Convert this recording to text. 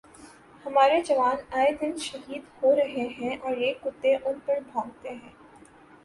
ہمارے جوان اے دن شہید ہو رہے ہیں اور یہ کتے ان پر بھونکتے ہیں